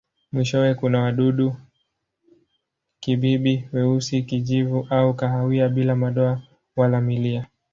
Mwishowe kuna wadudu-kibibi weusi, kijivu au kahawia bila madoa wala milia.